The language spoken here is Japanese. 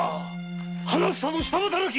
「花房」の下働き。